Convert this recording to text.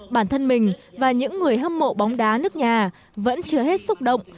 bản thân mình và những người hâm mộ bóng đá nước nhà vẫn chưa hết xúc động